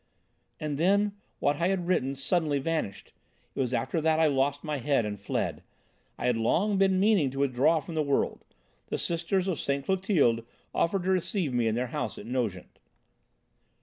"And, then, what I had written suddenly vanished. It was after that I lost my head and fled. I had long been meaning to withdraw from the world. The Sisters of St. Clotilde offered to receive me in their house at Nogent."